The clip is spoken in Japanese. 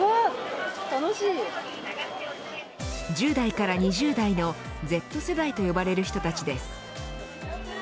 １０代から２０代のＺ世代と呼ばれる人たちです。